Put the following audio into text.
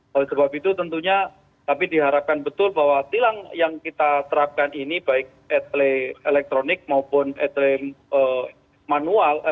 oleh sebab itu tentunya tapi diharapkan betul bahwa tilang yang kita terapkan ini baik etele elektronik maupun etelem manual